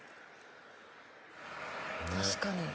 確かに。